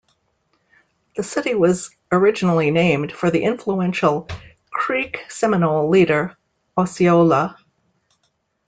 The city was originally named for the influential Creek-Seminole leader Osceola.